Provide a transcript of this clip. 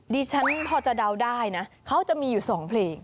ดิฉันพอจะเดาได้นะเขาจะมีอยู่๒เพลง